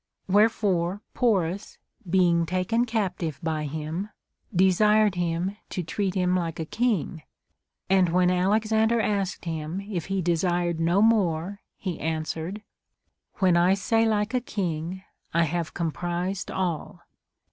AVherefore Porus, being taken captive by him, desired him to treat him like a king ; and when Alexander asked him if he desired no more, he answered, When I say like a king, I have comprised all.